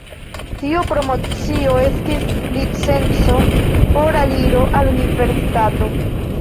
Tiu promocio estis licenco por aliro al universitato.